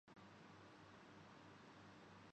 پی S L سے English cricket کو فائدہ